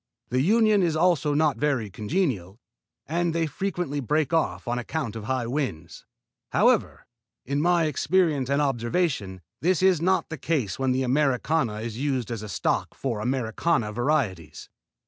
The union is also not very congenial, and they frequently break off on account of high winds. However, in my experience and observation, this is not the case when the Americana is used as a stock for Americana varieties.